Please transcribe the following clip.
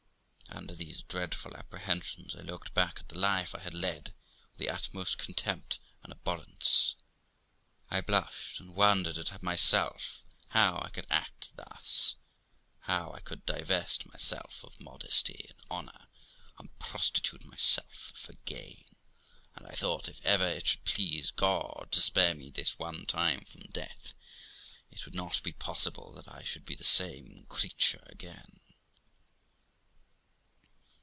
268 THE LIFE OF ROXANA Under these dreadful apprehensions I looked back on the life I had led with the utmost contempt and abhorrence. I blushed, and wondered at myself how I could act thus, how I could divest myself of modesty and honour, and prostitute myself for gain; and I thought, if ever it should please God to spare me this one time from death, it would not be possible that I should be the same creature again.